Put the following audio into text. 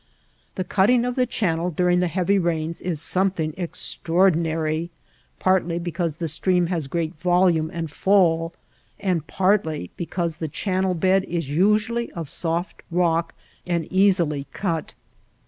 The cutting of the channel during the heavy rains is some thing extraordinary, partly because the stream has great volume and fall, and partly because the channel bed is usually of soft rock and easily cut.